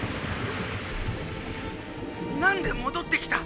「何で戻ってきた！」。